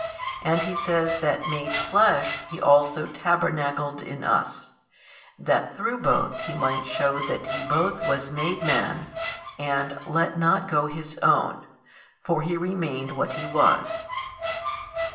And he says that made Flesh He also tabernacled in us, that through both he might shew that He both was made Man |215 and let not go His own, for He hath remained what He was.